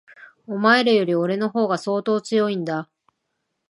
お前らより、俺の方が相当強いんだ。